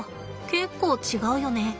結構違うよね。